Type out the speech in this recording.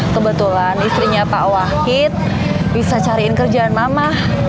kebetulan istrinya pak wahid bisa cariin kerjaan mama